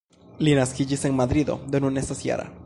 Li naskiĝis en Madrido, do nun estas -jara.